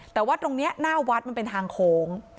แต่ว่าตรงนี้หน้าวัดมันเป็นทางโค้ง